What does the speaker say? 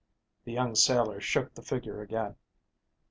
The young sailor shook the figure again.